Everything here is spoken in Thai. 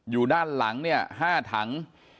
อยู่ด้านหลังเนี่ย๕ถัง